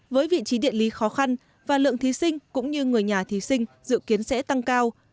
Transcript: với vị trí địa lý khó khăn và lượng thí sinh cũng như người nhà thí sinh dự kiến sẽ tăng cao